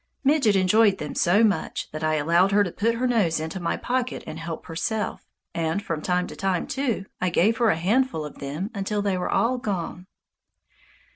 Midget enjoyed them so much that I allowed her to put her nose into my pocket and help herself, and from time to time, too, I gave her a handful of them until they were all gone.